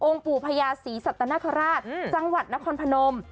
องค์ปู่พญาศรีสัตว์นคราชอืมจังหวัดนครพนม